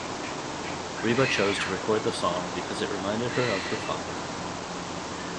Reba chose to record the song because it reminded her of her father.